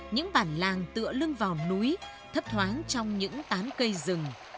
những bản làng tựa lưng vào núi thấp thoáng trong những tán cây rừng